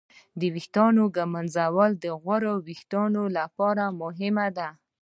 د ویښتانو ږمنځول د غوړو وېښتانو لپاره مهم دي.